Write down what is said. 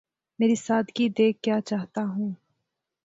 مری سادگی دیکھ کیا چاہتا ہوں